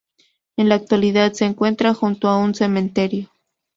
En la actualidad se encuentra junto a un cementerio.